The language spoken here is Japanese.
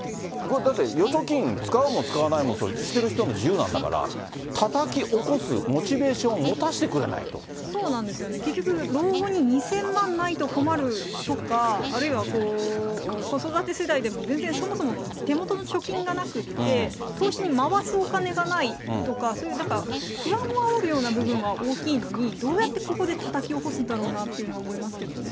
だって預貯金使うも使わないもそれ、してる人の自由なんだから、たたき起こすモチベーションを持たしそうなんですよね、結局老後２０００万ないと困るとか、あるいは子育て世代でも全然そもそも手元の貯金がなくって、投資に回すお金がないとか、そういう不安をあおるような部分が大きいのにどうやってここでたたき起こすんだろうなっていうのは思いますけどね。